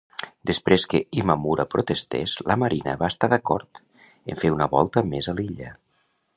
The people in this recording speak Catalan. Després que Imamura protestés, la marina va estar d'acord en fer una volta més a l"illa.